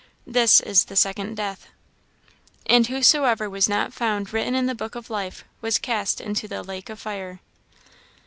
This is the second death. "And whosoever was not found written in the book of life was cast into the lake of fire."